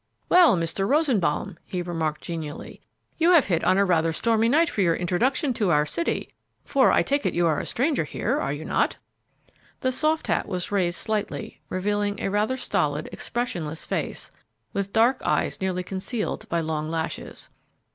"Well, Mr. Rosenbaum," he remarked, genially, "you have hit on rather a stormy night for your introduction to our city, for I take it you are a stranger here, are you not?" The soft hat was raised slightly, revealing a rather stolid, expressionless face, with dark eyes nearly concealed by long lashes.